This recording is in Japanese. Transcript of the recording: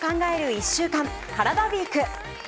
１週間カラダＷＥＥＫ。